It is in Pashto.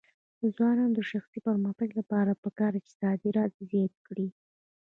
د ځوانانو د شخصي پرمختګ لپاره پکار ده چې صادرات زیات کړي.